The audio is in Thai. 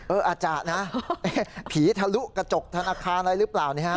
อาจารย์นะผีทะลุกระจกธนาคารอะไรหรือเปล่า